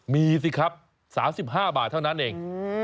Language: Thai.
มีสิครับ๓๕บาทเท่านั้นเอง